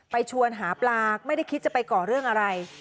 ชวนหาปลาไม่ได้คิดจะไปก่อเรื่องอะไร